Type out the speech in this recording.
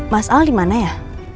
mas al dimana ya